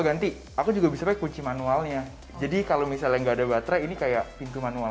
ganti aku juga bisa pakai kunci manualnya jadi kalau misalnya nggak ada baterai ini kayak pintu manual